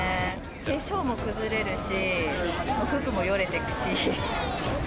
化粧も崩れるし、服もよれてくし。